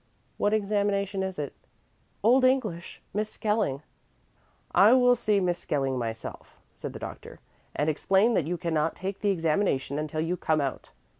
"What examination is it?" "Old English Miss Skelling." "I will see Miss Skelling myself," said the doctor, "and explain that you cannot take the examination until you come out.